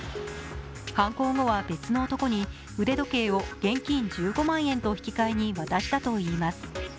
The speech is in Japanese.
犯行後は、別の男に腕時計を現金１５万円と引き換えに渡したといいます。